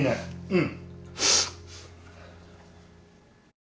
うん。